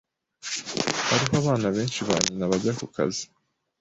Hariho abana benshi ba nyina bajya kukazi.